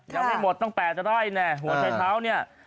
ยังไม่หมดตั้งแปดไล่เนี่ยหัวชายเท้าเนี่ย